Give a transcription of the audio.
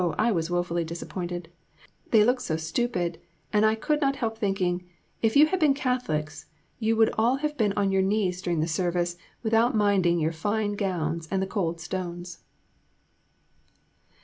I was woefully disappointed they looked so stupid; and I could not help thinking, If you had been Catholics, you would all have been on your knees during the service, without minding your fine gowns and the cold stones.